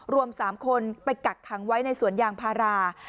รวม๓คนไปกักขังไว้ในสวนยางพารา